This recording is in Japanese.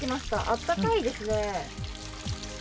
あったかいですね。